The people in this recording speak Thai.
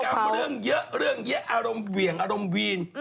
เรื่องเยอะเรื่องแยะอารมณ์เหวี่ยงอารมณ์วีน